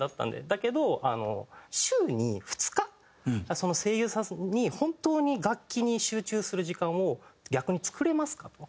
だけど週に２日声優さんに本当に楽器に集中する時間を逆に作れますか？と。